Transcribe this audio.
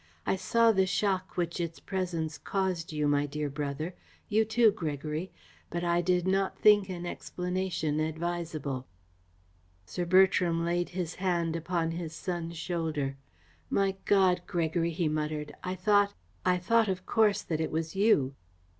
I saw the shock which its presence caused you, my dear brother you too, Gregory but I did not think an explanation advisable." Sir Bertram laid his hand upon his son's shoulder. "My God, Gregory," he muttered, "I thought I thought, of course, that it was you."